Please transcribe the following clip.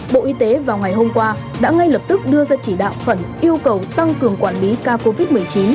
bộ y tế vào ngày hôm qua đã ngay lập tức đưa ra chỉ đạo khẩn yêu cầu tăng cường quản lý ca covid một mươi chín